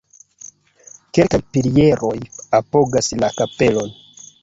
Kelkaj pilieroj apogas la kapelon.